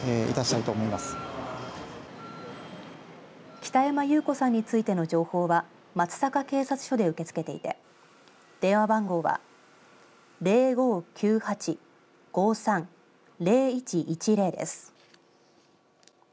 北山結子さんについての情報は松阪警察署で受け付けていて電話番号は０５９８‐５３‐０１１０です。